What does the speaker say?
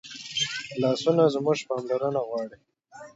لاسونه زموږ پاملرنه غواړي